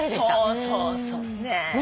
そうそうそう。ね。